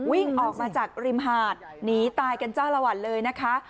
วิ่งออกมาจากริมหาดหนีตายกันจ้าละวันเลยนะคะ